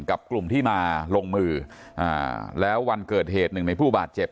กับกลุ่มที่มาลงมืออ่าแล้ววันเกิดเหตุหนึ่งในผู้บาดเจ็บ